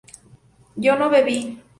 yo no bebí